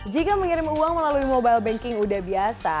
jika mengirim uang melalui mobile banking udah biasa